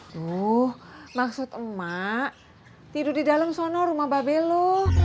tuh maksud emak tidur di dalam sono rumah mbak belo